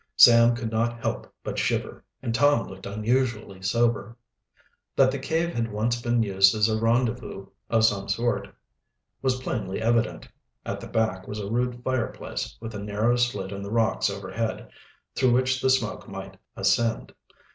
Sam could not help but shiver, and Tom looked unusually sober. That the cave had once been used as a rendezvous of some sort was plainly evident. At the back was a rude fireplace, with a narrow slit in the rocks overhead, through which the smoke might ascend.